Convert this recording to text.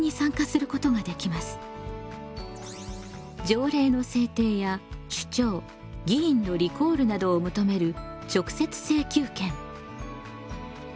条例の制定や首長議員のリコールなどを求める直接請求権。